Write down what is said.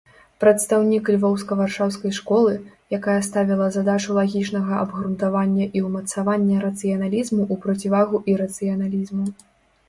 Прадстаўнік львоўска-варшаўскай школы, якая ставіла задачу лагічнага абгрунтавання і ўмацавання рацыяналізму ў процівагу ірацыяналізму.